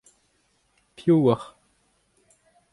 Piv ocʼh ?